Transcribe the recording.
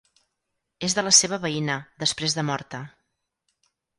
És de la seva veïna, després de morta.